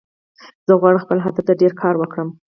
زه غواړم خپل هدف ته ډیر کار وکړم